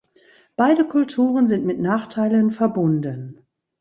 Beide Kulturen sind mit Nachteilen verbunden.